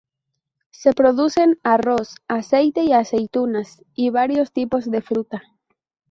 Se producen arroz, aceite y aceitunas y varios tipos de fruta.